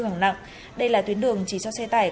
hỏng nặng đây là tuyến đường chỉ cho xe tải